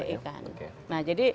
jadi kita harus menemukan